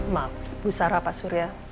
ma usahara pak surya